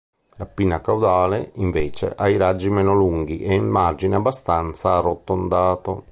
La pinna caudale, invece, ha i raggi meno lunghi e il margine abbastanza arrotondato.